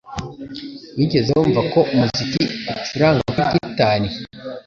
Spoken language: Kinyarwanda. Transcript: Wigeze wumva ko umuziki ucuranga kuri gitari